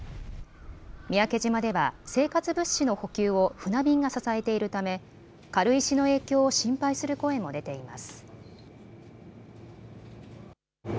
三宅島では生活物資の補給を船便が支えているため軽石の影響を心配する声も出ています。